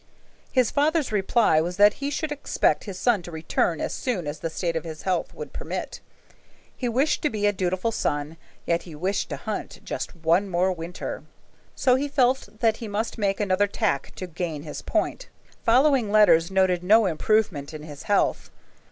His father's reply was that he should expect his son to return as soon as the state of his health would permit. He wished to be a dutiful son, yet he wished to hunt just one more winter. So he felt that he must make another tack to gain his point. Following letters noted no improvement in his health.